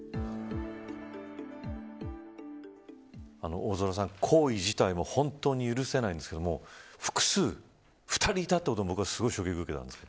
大空さん、行為自体も本当に許せないんですけれども複数、２人いたということにすごい衝撃を受けたんです。